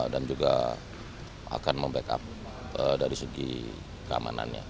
dan juga akan membackup dari segi keamanannya